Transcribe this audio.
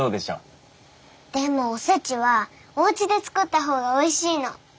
でもおせちはおうちで作ったほうがおいしいの。